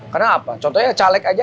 karena apa contohnya caleg aja